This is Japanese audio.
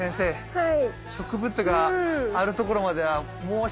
はい。